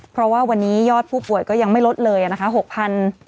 เพราะว่าวันนี้ยอดผู้ป่วยก็ยังไม่ลดเลยนะคะ